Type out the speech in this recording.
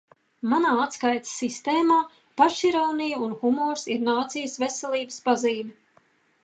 Manā atskaites sistēmā pašironija un humors ir nācijas veselības pazīme.